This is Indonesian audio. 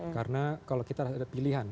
karena kalau kita ada pilihan